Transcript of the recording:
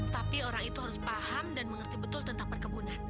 tapi orang itu harus paham dan mengerti betul tentang perkebunan